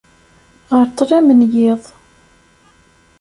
Ɣer ṭṭlam n yiḍ.